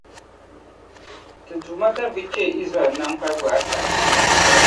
Ti Duuma darigi cheei Izraɛl nam kparibu a sani.